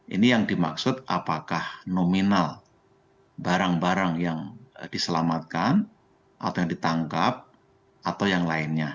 ini yang dimaksud apakah nominal barang barang yang diselamatkan atau yang ditangkap atau yang lainnya